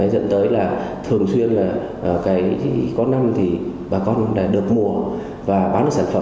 dẫn tới là thường xuyên là có năm thì bà con được mua và bán được sản phẩm